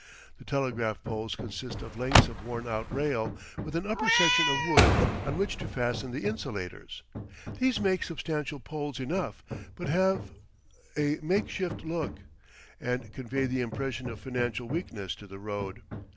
The telegraph poles consist of lengths of worn out rail, with an upper section of wood on which to fasten the insulators. These make substantial poles enough, but have a make shift look, and convey the impression of financial weakness to the road.